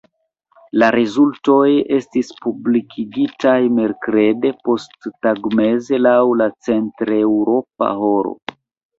La rezultoj estis publikigitaj merkrede posttagmeze laŭ la centreŭropa horo.